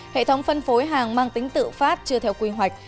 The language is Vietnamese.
hệ thống phân phối hàng mang tính tự phát chưa theo quy hoạch